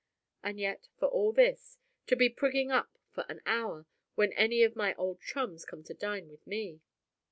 And yet for all this, to be prigging up for an hour, when any of my old chums come to dine with me!